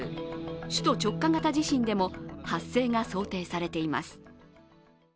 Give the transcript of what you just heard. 首都直下型地震でも発生が想定されています。